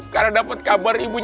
karena dapat kabar ibunya